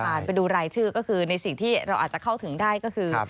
ไปดูรายชื่อก็คือในสิ่งที่เราอาจจะเข้าถึงได้ก็คือ